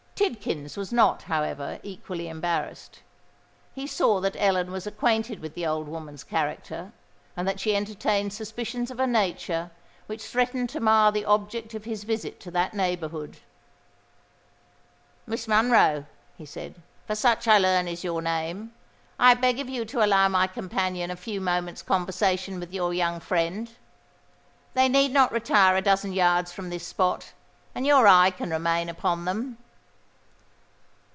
Tidkins was not, however, equally embarrassed. He saw that Ellen was acquainted with the old woman's character, and that she entertained suspicions of a nature which threatened to mar the object of his visit to that neighbourhood. "Miss Monroe," he said,—"for such, I learn, is your name,—I beg of you to allow my companion a few moments' conversation with your young friend. They need not retire a dozen yards from this spot; and your eye can remain upon them."